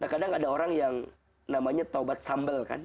nah kadang ada orang yang namanya taubat sambel kan